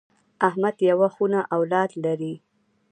احمد یوه خونه اولاد لري.